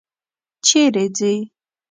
چېرې ځې؟